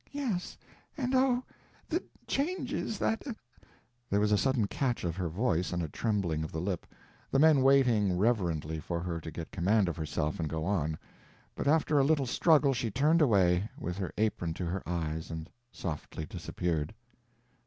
Yes, and oh, the changes that—" There was a sudden catch of her voice and a trembling of the lip, the men waiting reverently for her to get command of herself and go on; but after a little struggle she turned away, with her apron to her eyes, and softly disappeared.